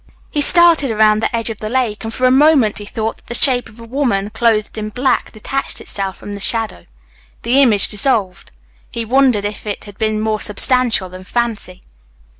He started around the end of the lake, and for a moment he thought that the shape of a woman, clothed in black, detached itself from the shadow. The image dissolved. He wondered if it had been more substantial than fancy.